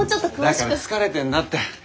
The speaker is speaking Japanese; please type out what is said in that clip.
だから疲れてるんだって。